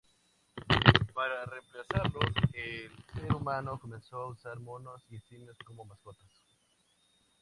Para reemplazarlos, el ser humano comenzó a usar monos y simios como mascotas.